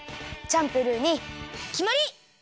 チャンプルーにきまり！